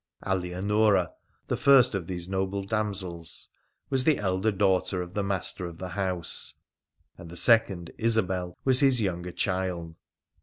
Alianora, the first of these noble damsels, was the elder daughter of the master of the house, and the second, Isobel, was his younger child.